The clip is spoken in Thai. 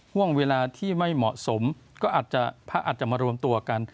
ห่วงเวลาที่ไม่เหมาะสมก็อาจจะพระอาจจะมารวมตัวกัน